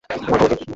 তোমার কি খবর?